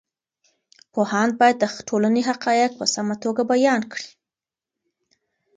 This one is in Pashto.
پوهاند باید د ټولنې حقایق په سمه توګه بیان کړي.